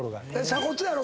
鎖骨やろ。